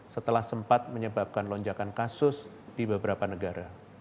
setelah sempat menyebabkan lonjakan kasus di beberapa negara